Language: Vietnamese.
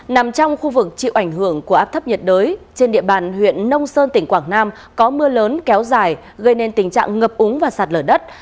nằm trong khu vực chịu ảnh hưởng của áp thấp nhiệt đới trên địa bàn huyện nông sơn tỉnh quảng nam có mưa lớn kéo dài gây nên tình trạng ngập úng và sạt lở đất